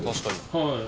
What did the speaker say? はい。